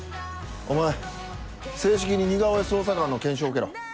お前正式に似顔絵捜査官の研修を受けろ。